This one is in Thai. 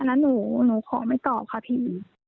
นั้นหนูขอไม่ตอบค่ะพี่